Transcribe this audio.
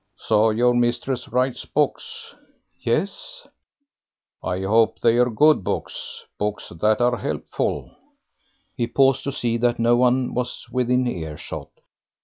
"So your mistress writes books!" "Yes." "I hope they're good books books that are helpful." He paused to see that no one was within earshot.